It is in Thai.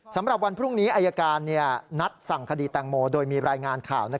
สำหรับวันพรุ่งนี้อายการนัดสั่งคดีแตงโมโดยมีรายงานข่าว